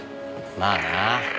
まあな。